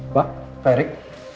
pak pak erik